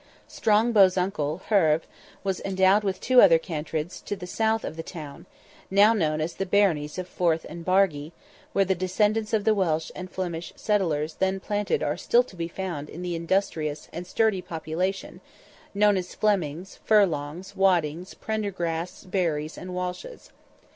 Strongbow's uncle, Herve, was endowed with two other cantreds, to the south of the town, now known as the baronies of Forth and Bargey, where the descendants of the Welsh and Flemish settlers then planted are still to be found in the industrious and sturdy population, known as Flemings, Furlongs, Waddings, Prendergasts, Barrys, and Walshes.